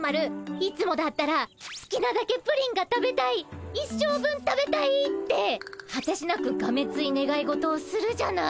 いつもだったらすきなだけプリンが食べたい一生分食べたいってはてしなくがめついねがい事をするじゃない。